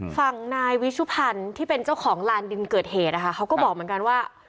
ฝั่งนายวิชุพันธ์ที่เป็นเจ้าของลานดินเกิดเหตุนะคะเขาก็บอกเหมือนกันว่า